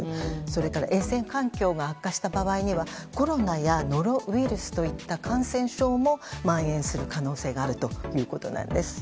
それから衛生環境が悪化した場合にはコロナやノロウイルスといった感染症も蔓延する可能性があるということなんです。